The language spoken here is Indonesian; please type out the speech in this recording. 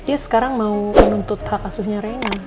dia sekarang mau menuntut hak asuhnya rena